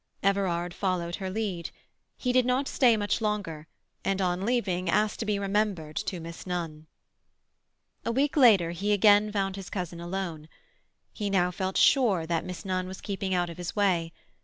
Everard followed her lead. He did not stay much longer, and on leaving asked to be remembered to Miss Nunn. A week later he again found his cousin alone. He now felt sure that Miss Nunn was keeping out of his way.